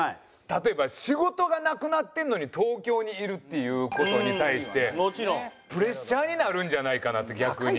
例えば仕事がなくなってるのに東京にいるっていう事に対してプレッシャーになるんじゃないかなって逆に。